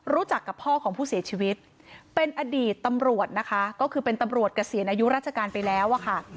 รู้จักกับพ่อของผู้เสียชีวิตเป็นอดีตตำรวจนะคะก็คือเป็นตำรวจเกษียณอายุราชการไปแล้วอะค่ะ